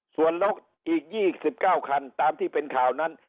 ส่วนแล้วอีกยี่สิบเก้าคันตามที่เป็นข่าวนั้น